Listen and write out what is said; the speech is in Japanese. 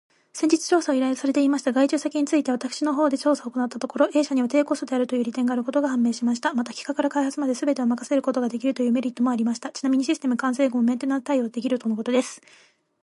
先日調査を依頼されていました外注先について、私の方で調査を行ったところ、A 社には低コストであるという利点があることが判明しました。また、企画から開発まですべてを任せることができるというメリットもありました。ちなみにシステム完成後もメンテナンス対応できるとのことです。